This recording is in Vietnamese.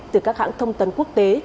từ các hãng thông tấn quốc tế